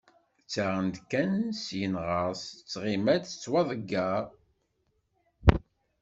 Ttaɣen-d kan, syin ɣer-s, tettɣima-d tettwaḍeggar.